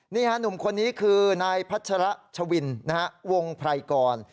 นี่ฮะหนุ่มคนนี้คือนายพัชระชวินวงไพรกร